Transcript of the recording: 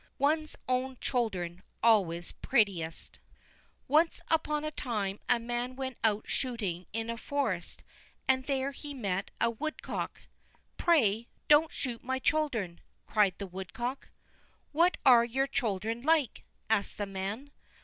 One's Own Children Always Prettiest Once upon a time a man went out shooting in a forest, and there he met a woodcock. "Pray, don't shoot my children," cried the woodcock. "What are your children like?" asked the man.